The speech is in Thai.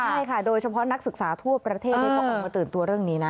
ใช่ค่ะโดยเฉพาะนักศึกษาทั่วประเทศเขาออกมาตื่นตัวเรื่องนี้นะ